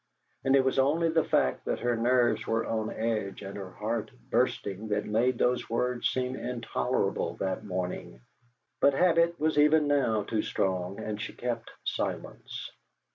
And it was only the fact that her nerves were on edge and her heart bursting that made those words seem intolerable that morning; but habit was even now too strong, and she kept silence.